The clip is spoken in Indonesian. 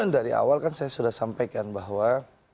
dari awal kan saya sudah sampaikan bahwa